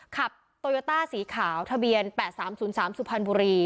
ขับโตโยต้าสีขาวทะเบียน๘๓๐๓สุพรรณบุรี